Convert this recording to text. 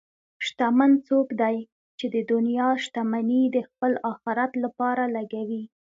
شتمن څوک دی چې د دنیا شتمني د خپل آخرت لپاره لګوي.